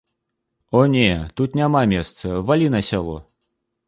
О не, тут няма месца, валі на сяло.